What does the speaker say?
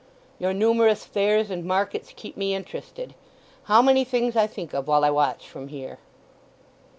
"Your numerous fairs and markets keep me interested. How many things I think of while I watch from here!"